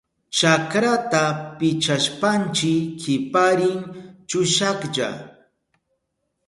Chakrata pichashpanchi kiparin chushahlla.